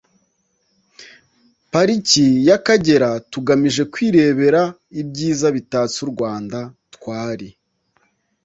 Pariki y’Akagera tugamije kwirebera ibyiza bitatse u Rwanda. Twari